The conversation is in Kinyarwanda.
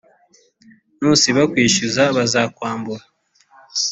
nusiba kwishyuza bazakwambura,